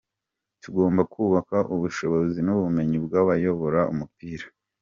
Tugomba kubaka ubushobozi n’ubumenyi bw’abayobora umupira.